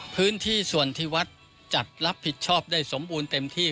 พื้นที่ส่วนที่วัดจัดรับผิดชอบได้สมบูรณ์เต็มที่